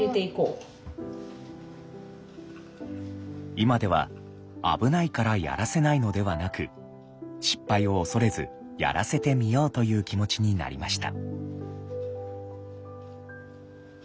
今では危ないからやらせないのではなく失敗を恐れずやらせてみようという気持ちになりました。